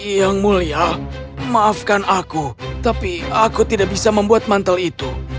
yang mulia maafkan aku tapi aku tidak bisa membuat mantel itu